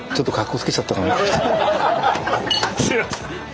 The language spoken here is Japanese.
すみません。